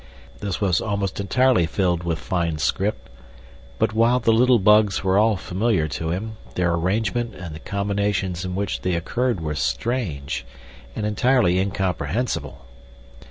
This was almost entirely filled with fine script, but while the little bugs were all familiar to him, their arrangement and the combinations in which they occurred were strange, and entirely incomprehensible.